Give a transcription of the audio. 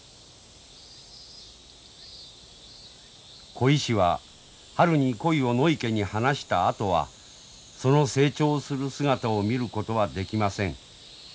鯉師は春に鯉を野池に放したあとはその成長する姿を見ることはできません。